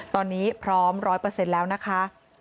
ตอนนี้พร้อม๑๐๐แล้วนะคะ